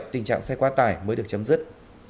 tình trạng xe quá tải mới được chấm dứt